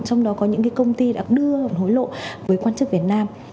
trong đó có những cái công ty đã đưa và hối lộ với quan chức việt nam